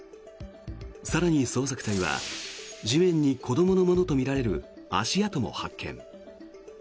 更に、捜索隊は地面に子どものものとみられる足跡も発見。